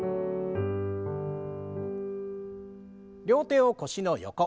両手を腰の横。